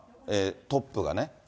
トップがね。